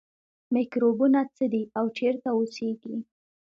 میکروبونه څه دي او چیرته اوسیږي